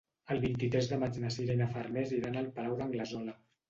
El vint-i-tres de maig na Sira i na Farners iran al Palau d'Anglesola.